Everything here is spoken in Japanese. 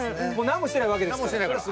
何もしてないわけですから。